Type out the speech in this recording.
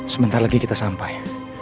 sebentar lagi kita sampai